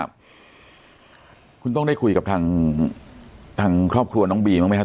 คุณต้องได้คุยกับทางครอบครัวน้องบีบ้างไหมครับ